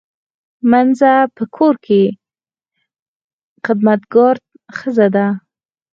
مینځه په کور کې خدمتګاره ښځه ده